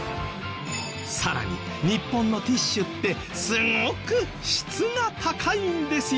更に日本のティッシュってすごく質が高いんですよ。